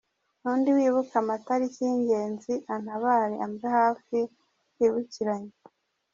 N’undi wibuka amataliki y’ingenzi antabare ambe hafi twibukiranye.